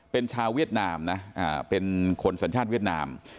เป็นชาวเวียดนามนะเป็นคนสัญชาติเวียดนาม